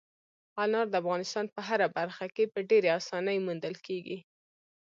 انار د افغانستان په هره برخه کې په ډېرې اسانۍ موندل کېږي.